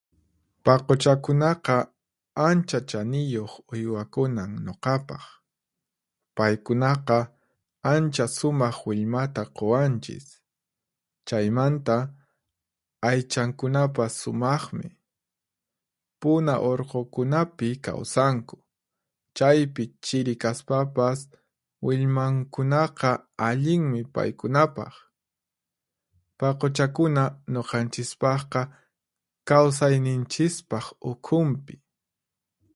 Paquchakunaqa ancha chaniyuq uywakunan nuqapaq. Paykunaqa ancha sumaq willmata quwanchis, chaymanta aychankunapas sumaqmi. Puna urqukunapi kawsanku, chaypi chiri kaspapas, willmankunaqa allinmi paykunapaq. Paquchakuna nuqanchispaqqa kawsayninchispaq ukhunpi.